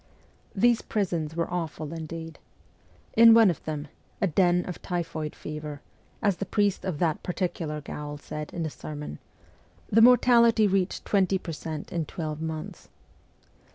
These prisons were awful indeed. In one of them ' a den of typhoid fever,' as the priest of that particular gaol said in a sermon the mortality reached twenty per cent, in twelve months.